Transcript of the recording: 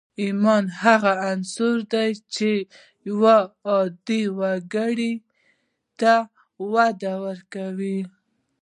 ايمان هغه عنصر دی چې يو عادي وګړي ته وده ورکوي.